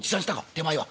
「手前は」。